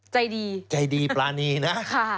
ใจดีใจดีปรานีนะ